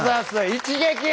一撃！